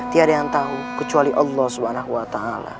tiada yang tahu kecuali allah swt